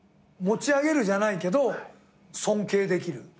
持ち上げるじゃないけど尊敬できる。